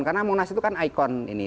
karena monas itu kan ikon ini